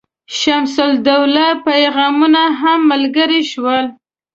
شمس الدوله پیغامونه هم ملګري شول.